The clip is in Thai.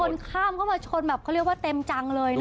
คนข้ามเข้ามาชนแบบเขาเรียกว่าเต็มจังเลยนะคะ